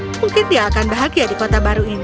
mungkin dia akan bahagia di kota baru ini